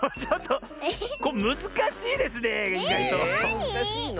むずかしいの？